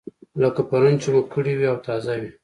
لکه پرون چې مو کړې وي او تازه وي.